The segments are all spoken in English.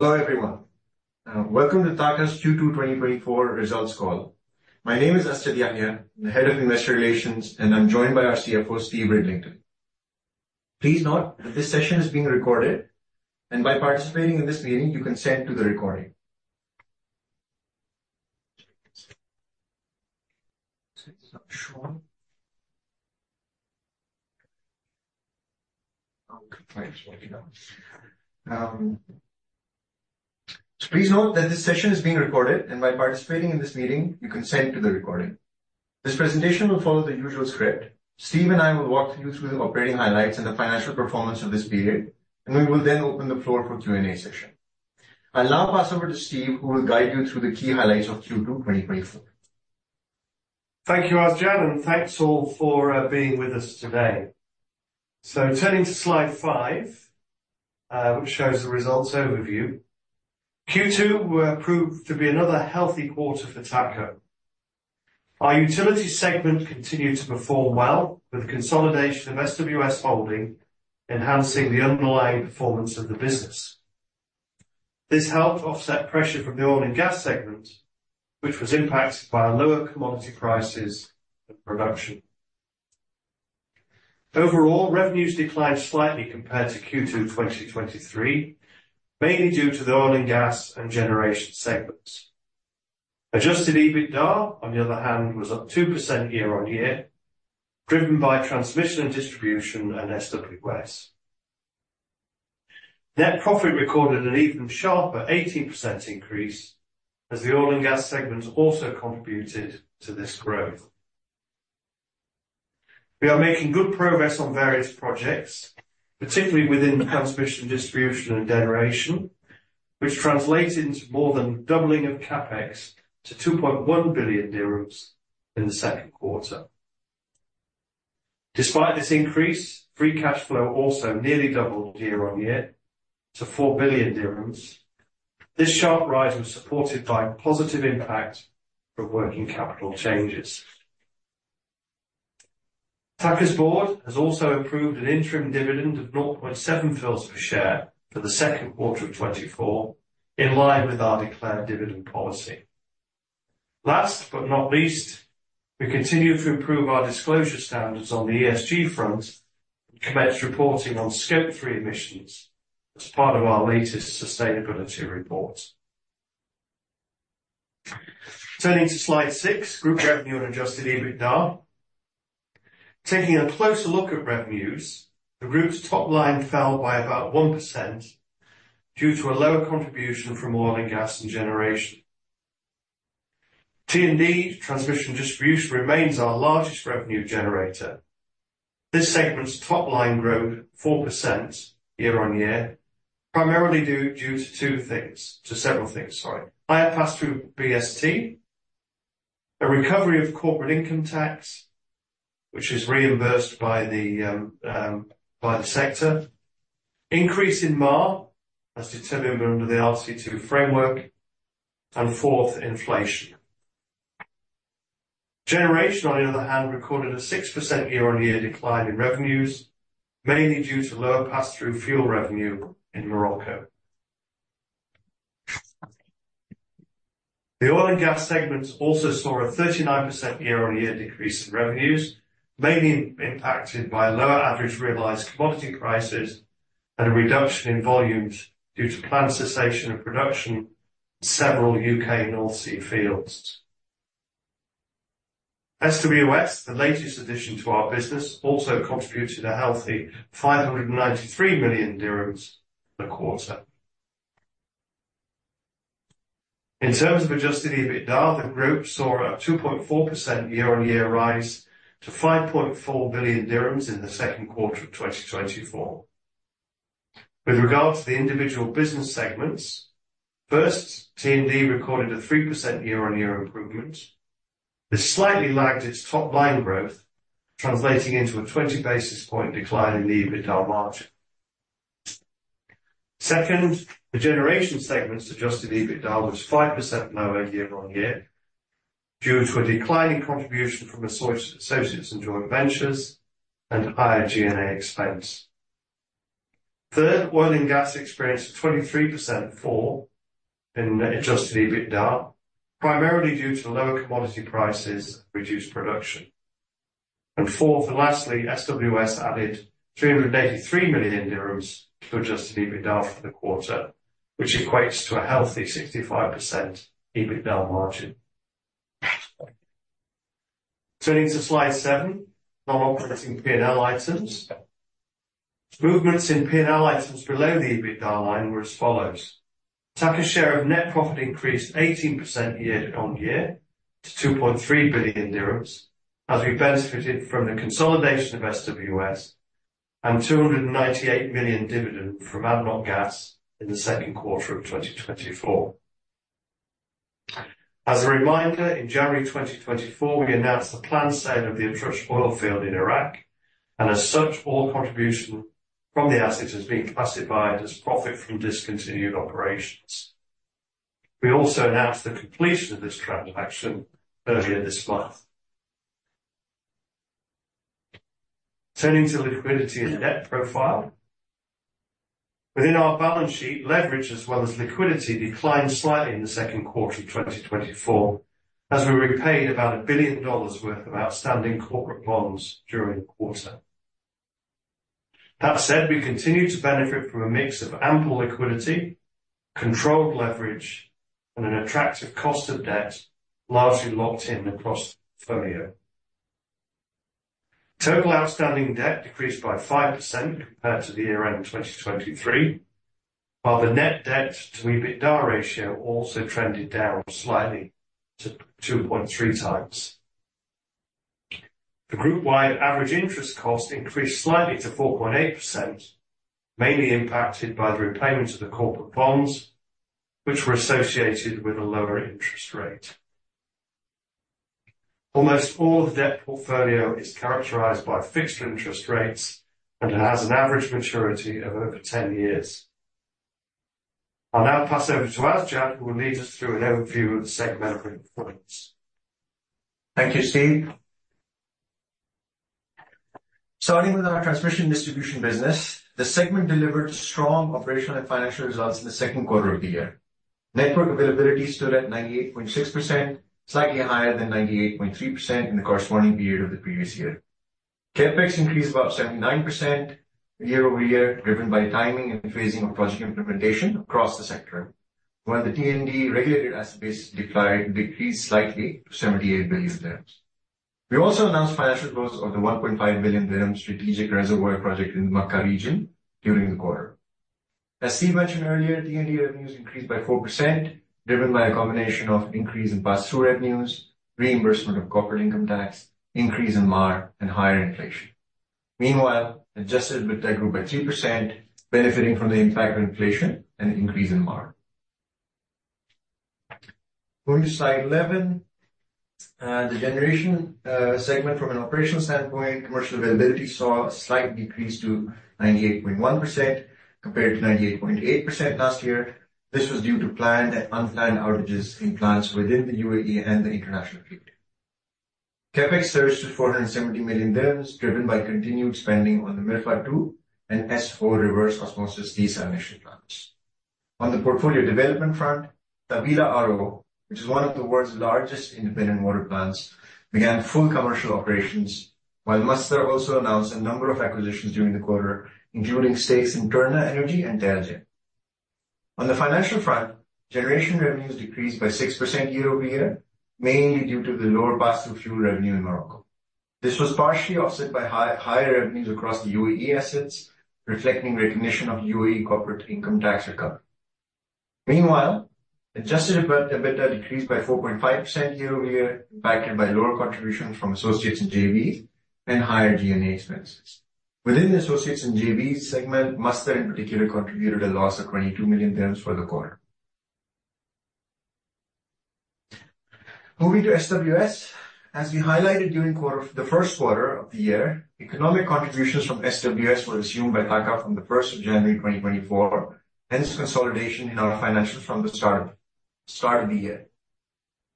Hello, everyone. Welcome to TAQA's Q2 2024 Results Call. My name is Asjad Yahya. I'm the Head of Investor Relations, and I'm joined by our CFO, Steve Ridlington. Please note that this session is being recorded, and by participating in this meeting, you consent to the recording. Please note that this session is being recorded, and by participating in this meeting, you consent to the recording. This presentation will follow the usual script. Steve and I will walk you through the operating highlights and the financial performance of this period, and we will then open the floor for Q&A session. I'll now pass over to Steve, who will guide you through the key highlights of Q2 2024. Thank you, Asjad, and thanks all for being with us today. So turning to slide 5, which shows the results overview. Q2 proved to be another healthy quarter for TAQA. Our utility segment continued to perform well, with the consolidation of SWS Holding enhancing the underlying performance of the business. This helped offset pressure from the oil and gas segment, which was impacted by lower commodity prices and production. Overall, revenues declined slightly compared to Q2 2023, mainly due to the oil and gas and generation segments. Adjusted EBITDA, on the other hand, was up 2% year-on-year, driven by transmission and distribution and SWS. Net profit recorded an even sharper 18% increase as the oil and gas segment also contributed to this growth. We are making good progress on various projects, particularly within the transmission, distribution, and generation, which translates into more than doubling of CapEx to 2.1 billion dirhams in the second quarter. Despite this increase, free cash flow also nearly doubled year-on-year to 4 billion dirhams. This sharp rise was supported by a positive impact from working capital changes. TAQA's board has also approved an interim dividend of 0.7 fils per share for the second quarter of 2024, in line with our declared dividend policy. Last but not least, we continue to improve our disclosure standards on the ESG front and commence reporting on Scope 3 emissions as part of our latest sustainability report. Turning to slide 6, group revenue and adjusted EBITDA. Taking a closer look at revenues, the group's top line fell by about 1% due to a lower contribution from oil and gas and generation. T&D, transmission and distribution, remains our largest revenue generator. This segment's top-line growth, 4% year-on-year, primarily due, due to two things. To several things, sorry. Higher pass-through BST, a recovery of corporate income tax, which is reimbursed by the, by the sector, increase in MAR, as determined under the RC2 framework, and fourth, inflation. Generation, on the other hand, recorded a 6% year-on-year decline in revenues, mainly due to lower pass-through fuel revenue in Morocco. The oil and gas segments also saw a 39% year-on-year decrease in revenues, mainly impacted by lower average realized commodity prices and a reduction in volumes due to planned cessation of production in several UK North Sea fields. SWS, the latest addition to our business, also contributed a healthy 593 million dirhams a quarter. In terms of Adjusted EBITDA, the group saw a 2.4% year-on-year rise to 5.4 billion dirhams in the second quarter of 2024. With regard to the individual business segments, first, T&D recorded a 3% year-on-year improvement. This slightly lagged its top-line growth, translating into a 20 basis points decline in the EBITDA margin. Second, the generation segment's Adjusted EBITDA was 5% lower year-on-year due to a decline in contribution from associates and joint ventures and higher G&A expense. Third, oil and gas experienced a 23% fall in Adjusted EBITDA, primarily due to lower commodity prices and reduced production. Fourth and lastly, SWS added 383 million dirhams to adjusted EBITDA for the quarter, which equates to a healthy 65% EBITDA margin. Turning to slide 7, non-operating P&L items. Movements in P&L items below the EBITDA line were as follows: TAQA's share of net profit increased 18% year-on-year to 2.3 billion dirhams, as we benefited from the consolidation of SWS and 298 million dividend from ADNOC Gas in the second quarter of 2024. As a reminder, in January 2024, we announced the planned sale of the Atrush oil field in Iraq, and as such, all contribution from the assets has been classified as profit from discontinued operations. We also announced the completion of this transaction earlier this month. Turning to liquidity and debt profile. Within our balance sheet, leverage as well as liquidity declined slightly in the second quarter of 2024, as we repaid about $1 billion worth of outstanding corporate bonds during the quarter. That said, we continue to benefit from a mix of ample liquidity, controlled leverage, and an attractive cost of debt, largely locked in across the portfolio. Total outstanding debt decreased by 5% compared to the year-end 2023, while the net debt to EBITDA ratio also trended down slightly to 2.3 times. The group-wide average interest cost increased slightly to 4.8%, mainly impacted by the repayment of the corporate bonds, which were associated with a lower interest rate. Almost all the debt portfolio is characterized by fixed interest rates and has an average maturity of over 10 years. I'll now pass over to Asjad, who will lead us through an overview of the segment performance. Thank you, Steve. Starting with our transmission distribution business, the segment delivered strong operational and financial results in the second quarter of the year. Network availability stood at 98.6%, slightly higher than 98.3% in the corresponding period of the previous year. CapEx increased about 79% year-over-year, driven by timing and phasing of project implementation across the sector, while the T&D regulated asset base decreased slightly to 78 billion dirhams. We also announced financial close of the 1.5 billion dirham strategic reservoir project in the Makkah region during the quarter. As Steve mentioned earlier, T&D revenues increased by 4%, driven by a combination of increase in pass-through revenues, reimbursement of corporate income tax, increase in MAR, and higher inflation. Meanwhile, adjusted EBITDA grew by 3%, benefiting from the impact of inflation and increase in MAR. Going to slide 11. The generation segment from an operational standpoint, commercial availability saw a slight decrease to 98.1% compared to 98.8% last year. This was due to planned and unplanned outages in plants within the UAE and the international field. CapEx surged to 470 million dirhams, driven by continued spending on the Mirfa 2 and S4 reverse osmosis desalination plants. On the portfolio development front, Taweelah RO, which is one of the world's largest independent water plants, began full commercial operations, while Masdar also announced a number of acquisitions during the quarter, including stakes in Terna Energy and Terra-Gen. On the financial front, generation revenues decreased by 6% year-over-year, mainly due to the lower pass-through fuel revenue in Morocco. This was partially offset by higher revenues across the UAE assets, reflecting recognition of UAE corporate income tax recovery. Meanwhile, adjusted EBITDA decreased by 4.5% year-over-year, impacted by lower contributions from associates in JVs and higher G&A expenses. Within the associates in JVs segment, Masdar, in particular, contributed a loss of 22 million dirhams for the quarter. Moving to SWS. As we highlighted during the first quarter of the year, economic contributions from SWS were assumed by TAQA from January 1, 2024, hence consolidation in our financials from the start of the year.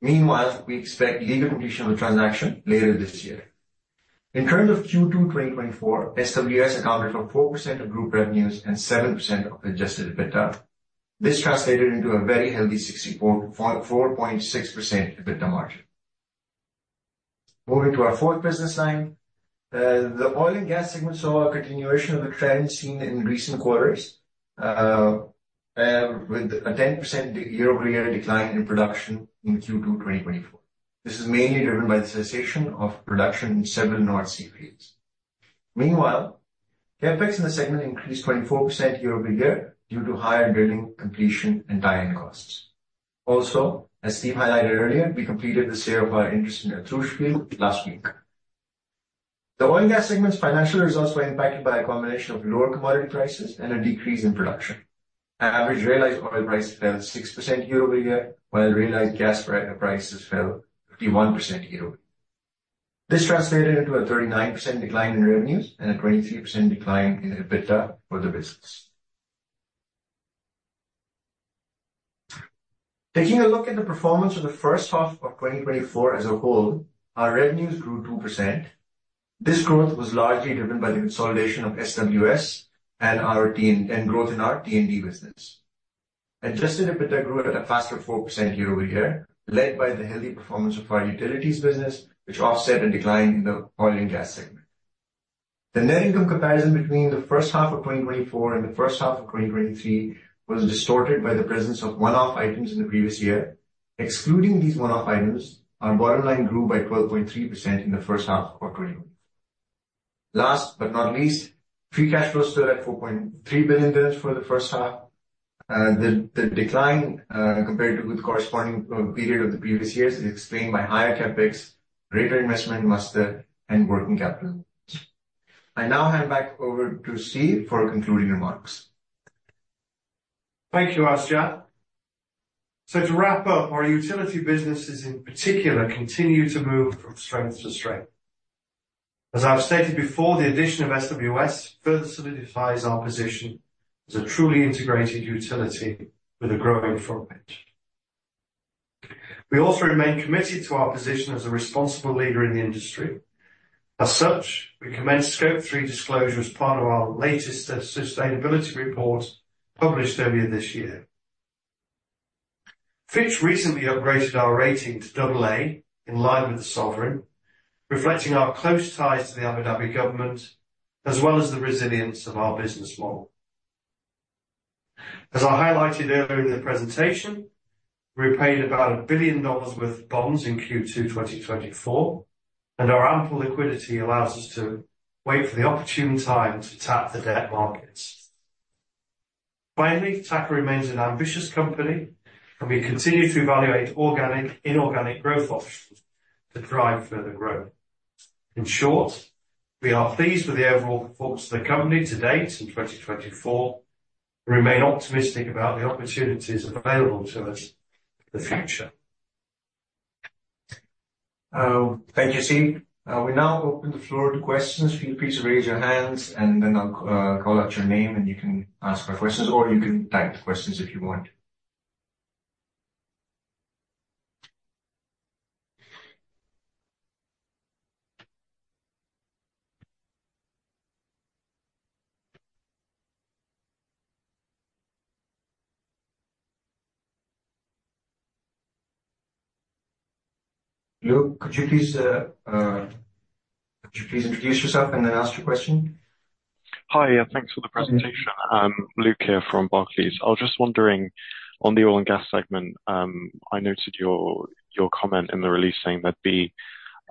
Meanwhile, we expect legal completion of the transaction later this year. In terms of Q2 2024, SWS accounted for 4% of group revenues and 7% of the adjusted EBITDA. This translated into a very healthy 64.6% EBITDA margin. Moving to our fourth business line. The oil and gas segment saw a continuation of the trend seen in recent quarters, with a 10% year-over-year decline in production in Q2 2024. This is mainly driven by the cessation of production in several North Sea fields. Meanwhile, CapEx in the segment increased 24% year-over-year due to higher drilling, completion, and tie-in costs. Also, as Steve highlighted earlier, we completed the sale of our interest in the Atrush field last week. The oil and gas segment's financial results were impacted by a combination of lower commodity prices and a decrease in production. Average realized oil price fell 6% year-over-year, while realized gas prices fell 51% year-over-year. This translated into a 39% decline in revenues and a 23% decline in EBITDA for the business. Taking a look at the performance of the first half of 2024 as a whole, our revenues grew 2%. This growth was largely driven by the consolidation of SWS and our T&D business. Adjusted EBITDA grew at a faster 4% year-over-year, led by the healthy performance of our utilities business, which offset a decline in the oil and gas segment. The net income comparison between the first half of 2024 and the first half of 2023 was distorted by the presence of one-off items in the previous year. Excluding these one-off items, our bottom line grew by 12.3% in the first half of our current year. Last but not least, free cash flow stood at 4.3 billion dirhams for the first half. The decline compared to the corresponding period of the previous years is explained by higher CapEx, greater investment in Masdar, and working capital. I now hand back over to Steve for concluding remarks. Thank you, Asjad. So to wrap up, our utility businesses in particular, continue to move from strength to strength. As I've stated before, the addition of SWS further solidifies our position as a truly integrated utility with a growing footprint. We also remain committed to our position as a responsible leader in the industry. As such, we commenced Scope 3 disclosure as part of our latest sustainability report, published earlier this year. Fitch recently upgraded our rating to AA, in line with the Sovereign, reflecting our close ties to the Abu Dhabi government, as well as the resilience of our business model. As I highlighted earlier in the presentation, we repaid about $1 billion worth of bonds in Q2 2024, and our ample liquidity allows us to wait for the opportune time to tap the debt markets. Finally, TAQA remains an ambitious company, and we continue to evaluate organic, inorganic growth options to drive further growth. In short, we are pleased with the overall performance of the company to date in 2024 and remain optimistic about the opportunities available to us in the future. Thank you, Steve. We now open the floor to questions. Can you please raise your hands and then I'll call out your name, and you can ask your questions, or you can type the questions if you want. Luke, could you please introduce yourself and then ask your question? Hi, yeah, thanks for the presentation. Luke here from Barclays. I was just wondering, on the oil and gas segment, I noted your, your comment in the release saying there'd be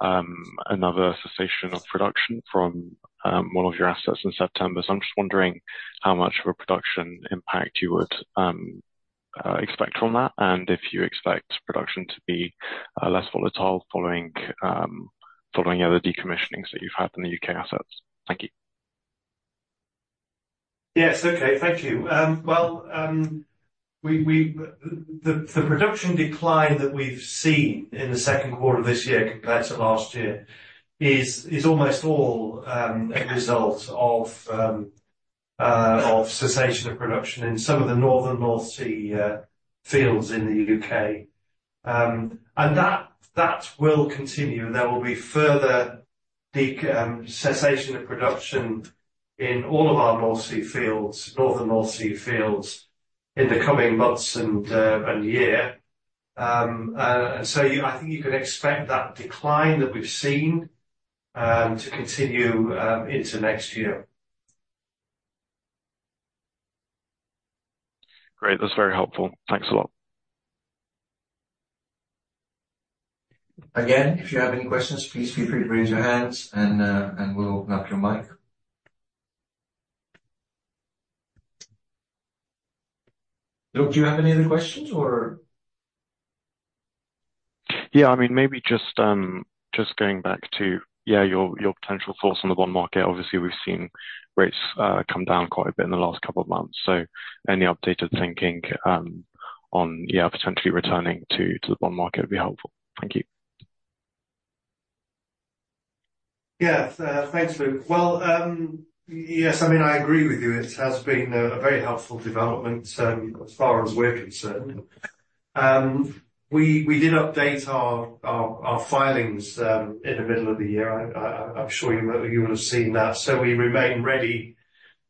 another cessation of production from one of your assets in September. So I'm just wondering how much of a production impact you would expect from that, and if you expect production to be less volatile following following the other decommissioning that you've had in the UK assets. Thank you. Yes. Okay. Thank you. Well, the production decline that we've seen in the second quarter of this year compared to last year is almost all a result of cessation of production in some of the northern North Sea fields in the UK. And that will continue, and there will be further cessation of production in all of our North Sea fields, northern North Sea fields in the coming months and year. And so you, I think you can expect that decline that we've seen to continue into next year. Great. That's very helpful. Thanks a lot. Again, if you have any questions, please feel free to raise your hands, and we'll open up your mic. Luke, do you have any other questions, or? Yeah, I mean, maybe just going back to, yeah, your potential thoughts on the bond market. Obviously, we've seen rates come down quite a bit in the last couple of months, so any updated thinking on, yeah, potentially returning to the bond market would be helpful. Thank you. Yeah. Thanks, Luke. Well, yes, I mean, I agree with you. It has been a very helpful development, as far as we're concerned. We did update our filings in the middle of the year. I'm sure you will have seen that. So we remain ready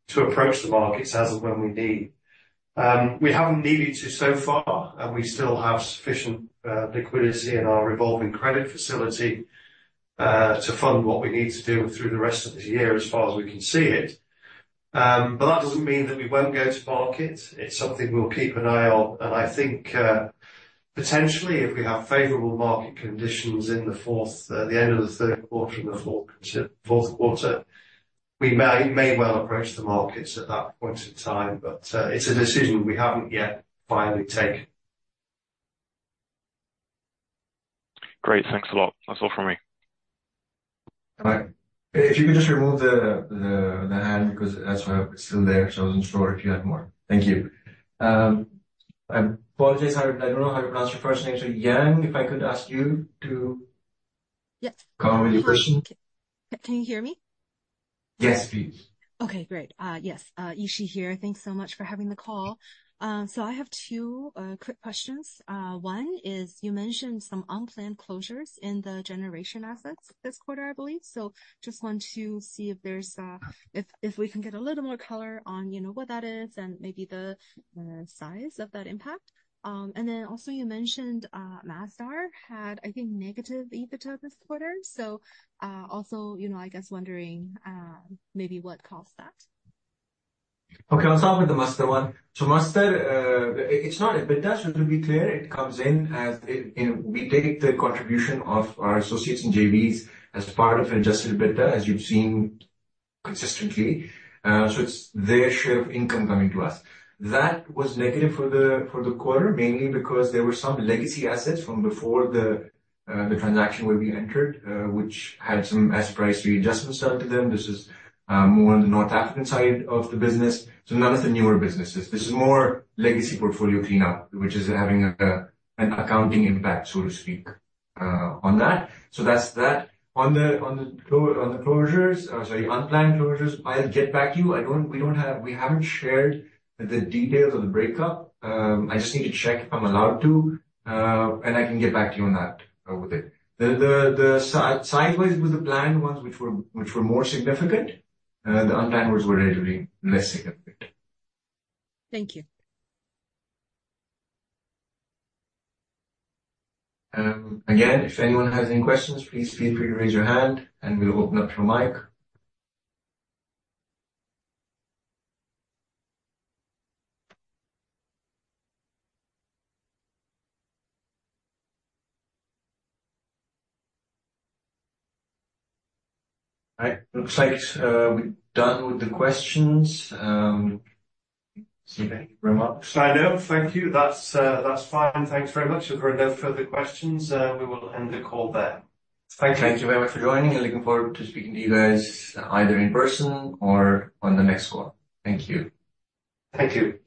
to approach the markets as and when we need. We haven't needed to so far, and we still have sufficient liquidity in our revolving credit facility to fund what we need to do through the rest of this year, as far as we can see it. But that doesn't mean that we won't go to market. It's something we'll keep an eye on, and I think, potentially, if we have favorable market conditions in the fourth, the end of the third quarter and the fourth, fourth quarter, we may, may well approach the markets at that point in time. But, it's a decision we haven't yet finally taken. Great. Thanks a lot. That's all from me. All right. If you could just remove the hand, because that's still there, so I wasn't sure if you had more. Thank you. I apologize. I don't know how to pronounce your first name. So, Yang, if I could ask you to- Yes. Come with your question. Can you hear me? Yes, please. Okay, great. Yes, Yishi here. Thanks so much for having the call. So I have two quick questions. One is, you mentioned some unplanned closures in the generation assets this quarter, I believe. So just want to see if there's if we can get a little more color on, you know, what that is and maybe the size of that impact. And then also you mentioned Masdar had, I think, negative EBITDA this quarter. So also, you know, I guess wondering maybe what caused that? Okay, I'll start with the Masdar one. So Masdar, it's not EBITDA, so to be clear, it comes in as, you know, we take the contribution of our associates and JVs as part of adjusted EBITDA, as you've seen consistently. So it's their share of income coming to us. That was negative for the quarter, mainly because there were some legacy assets from before the transaction where we entered, which had some asset price readjustment done to them. This is more on the North African side of the business, so none of the newer businesses. This is more legacy portfolio cleanup, which is having an accounting impact, so to speak, on that. So that's that. On the closures, sorry, unplanned closures, I'll get back to you. We haven't shared the details of the breakup. I just need to check if I'm allowed to, and I can get back to you on that with it. Size-wise with the planned ones, which were more significant, the unplanned ones were relatively less significant. Thank you. Again, if anyone has any questions, please feel free to raise your hand, and we'll open up your mic. All right, looks like we're done with the questions. Steve, any remarks? I know. Thank you. That's, that's fine. Thanks very much. If there are no further questions, we will end the call there. Thank you. Thank you very much for joining, and looking forward to speaking to you guys either in person or on the next call. Thank you. Thank you.